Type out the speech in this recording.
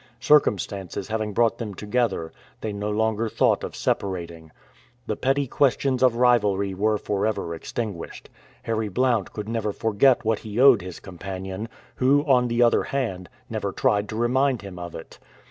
Circumstances having brought them together, they no longer thought of separating. The petty questions of rivalry were forever extinguished. Harry Blount could never forget what he owed his companion, who, on the other hand, never tried to remind him of it.